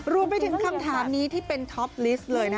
รวมไปถึงคำถามนี้ที่เป็นท็อปลิสต์เลยนะ